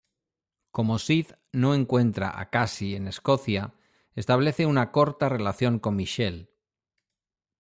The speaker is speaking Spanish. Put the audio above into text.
Como Sid no encuentra a Cassie en Escocia, establece una corta relación con Michelle.